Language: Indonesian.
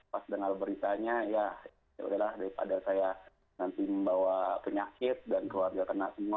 pas dengar beritanya ya yaudahlah daripada saya nanti membawa penyakit dan keluarga kena semua